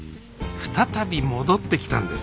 再び戻ってきたんです